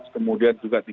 kemudian juga di